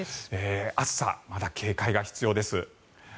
暑さ、まだ警戒が必要です。